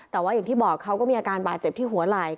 แต่ว่าอย่างที่บอกเขาก็มีอาการบาดเจ็บที่หัวไหล่